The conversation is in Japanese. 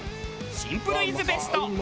シンプルイズベスト。